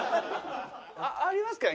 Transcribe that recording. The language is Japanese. ありますかね？